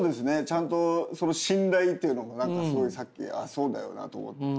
ちゃんとその信頼というのも何かすごいさっきあっそうだよなと。